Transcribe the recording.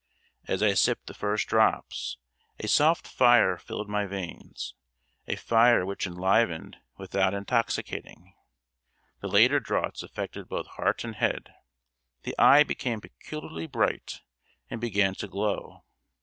As I sipped the first drops, a soft fire filled my veins, a fire which enlivened without intoxicating. The later draughts affected both heart and head; the eye became peculiarly bright and began to glow.